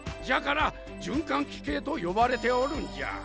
じゃから循環器系と呼ばれておるんじゃ。